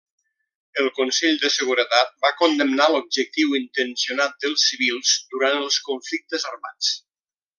El Consell de Seguretat va condemnar l'objectiu intencionat dels civils durant els conflictes armats.